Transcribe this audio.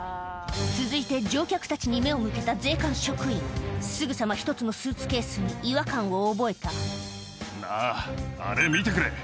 続いて乗客たちに目を向けた税関職員すぐさま１つのスーツケースに違和感を覚えたなぁあれ見てくれ。